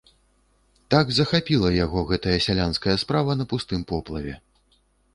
Так захапіла яго гэтая сялянская справа на пустым поплаве.